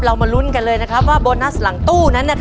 มาลุ้นกันเลยนะครับว่าโบนัสหลังตู้นั้น